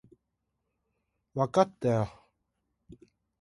わかったよ